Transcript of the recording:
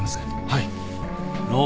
はい。